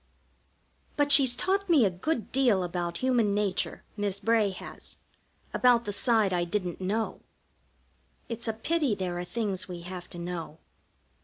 But she's taught me a good deal about Human Nature, Miss Bray has. About the side I didn't know. It's a pity there are things we have to know.